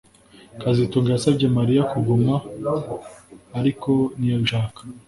kazitunga yasabye Mariya kuguma ariko ntiyabishaka